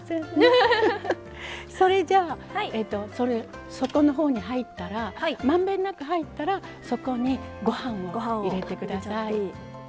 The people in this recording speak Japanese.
それじゃ底のほうにまんべんなく入ったら、そこにご飯を入れてください。